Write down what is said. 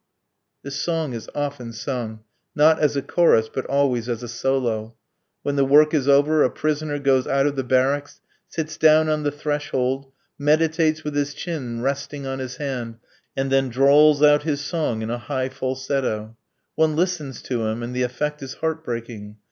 This song is often sung; not as a chorus, but always as a solo. When the work is over, a prisoner goes out of the barracks, sits down on the threshold, meditates with his chin resting on his hand, and then drawls out his song in a high falsetto. One listens to him, and the effect is heart breaking.